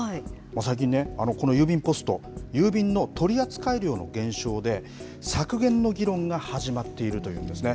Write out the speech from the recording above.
最近ね、この郵便ポスト、郵便の取り扱い量の減少で、削減の議論が始まっているということなんですね。